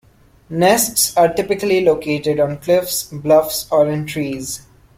Nests are typically located on cliffs, bluffs or in trees.